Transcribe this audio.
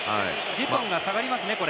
デュポンが下がります。